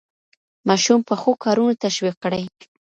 ماشوم په ښو کارونو تشویق کړئ.